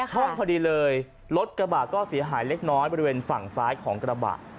ช่องพอดีเลยรถกระบะก็เสียหายเล็กน้อยบริเวณฝั่งซ้ายของกระบะ